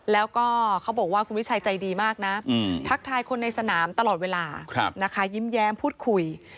แล้วก็เขาบอกว่าคุณวิชัยใจดีมากนะทักทายคนในสนามตลอดเวลานะคะยิ้มแย้มพูดคุย